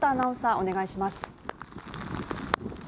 お願いします。